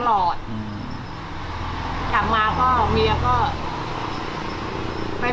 กลับมาก็เมียก็ไม่มีครอบครัวใหม่